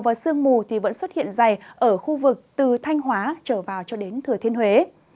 và sương mù thì vẫn xuất hiện dày ở khu vực từ thanh hóa trở vào cho đến thừa thiên huế